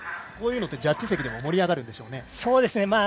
こういうのってジャッジ席でも盛り上がるんでしょうね。